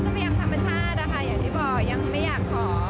พยายามธรรมชาติอะค่ะอย่างที่บอกยังไม่อยากขอ